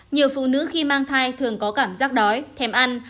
nhiều phụ nữ khi mang thai thường có cảm giác đói thèm ăn